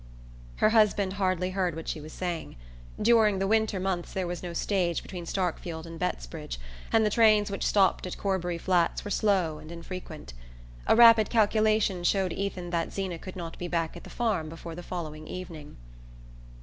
Her husband hardly heard what she was saying. During the winter months there was no stage between Starkfield and Bettsbridge, and the trains which stopped at Corbury Flats were slow and infrequent. A rapid calculation showed Ethan that Zeena could not be back at the farm before the following evening....